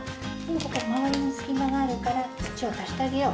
ここ周りに隙間があるから土を足してあげよう。